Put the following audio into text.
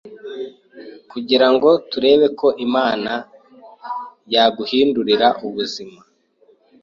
kugirango turebako Imana yaduhindurira ubuzima.